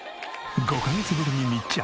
５カ月ぶりに密着。